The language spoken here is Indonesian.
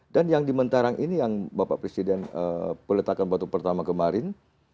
dan yang di mentara ini yang bapak presiden peletakkan batu pertama kemarin